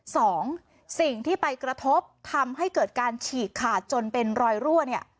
สองสิ่งที่ไปกระทบทำให้เกิดการฉีกขาดจนเป็นรอยรั่วเนี่ย